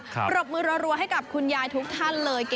ปรบมือรัวให้กับคุณยายทุกท่านเลย